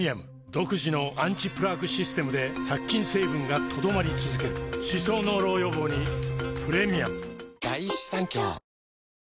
独自のアンチプラークシステムで殺菌成分が留まり続ける歯槽膿漏予防にプレミアム